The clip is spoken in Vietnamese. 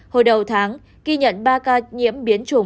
hồi đầu tháng ghi nhận ba ca nhiễm biến chủng